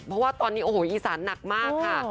เพราะว่าตอนนี้โอ้โหอีสานหนักมากค่ะ